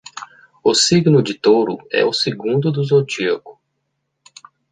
O signo de touro é o segundo do zodíaco